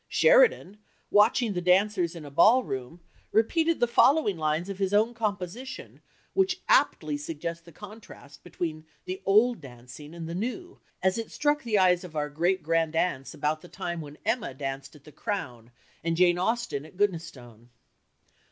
Sheridan, watching the dancers in a ball room, repeated the following lines of his own composition, which aptly suggest the contrast between the old dancing and the new as it struck the eyes of our great grand aunts about the time when Emma danced at the "Crown" and Jane Austen at Goodnestone.